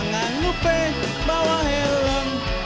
gak lupa bawa helm